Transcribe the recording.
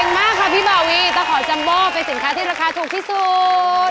เก่งมากค่ะพี่บาวีตะขอจำบอกเป็นสินค้าที่ราคาถูกที่สุด